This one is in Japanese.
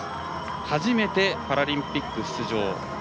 初めてパラリンピック出場。